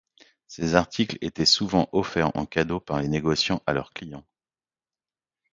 Ces articles étaient souvent offerts en cadeau par les négociants à leurs clients.